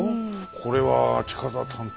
これは近田探偵